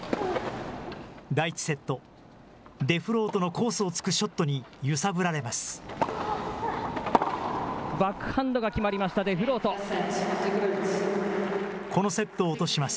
第１セット、デフロートのコースを突くショットに、揺さぶられます。